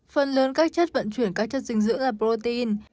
phần lớn các chất vận chuyển các chất dinh dưỡng ở protein